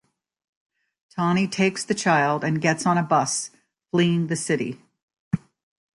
Tonny takes the child and gets on a bus, fleeing the city.